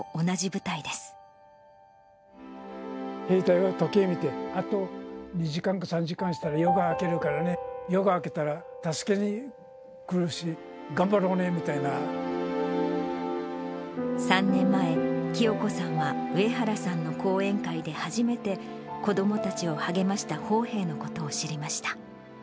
兵隊は時計を見て、あと２時間か３時間したら夜が明けるからね、夜が明けたら、助けに来るし、３年前、清子さんは、上原さんの講演会で初めて、子どもたちを励ました砲兵のことを知りました。